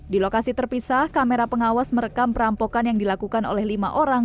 di lokasi terpisah kamera pengawas merekam perampokan yang dilakukan oleh lima orang